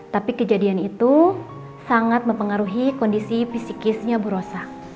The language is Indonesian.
tapi kejadian itu sangat mempengaruhi kondisi fisikisnya bu rosa